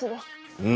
うん。